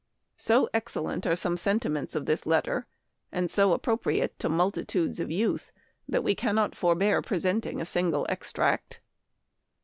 So excellent are some sentiments of this letter, and so appropriate to multitudes of youth, that we cannot forbear presenting a single extract.